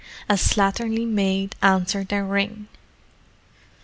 A slatternly maid answered their ring.